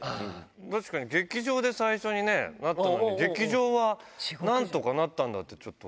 確かに劇場で最初になったのに、劇場はなんとかなったんだ、ちょっと。